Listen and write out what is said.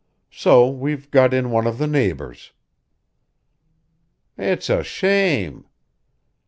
So we've got in one of the neighbors." "It's a shame!"